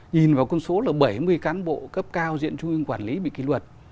nhìn vào con số là bảy mươi cán bộ cấp cao diện trung ương quản lý bị kỷ luật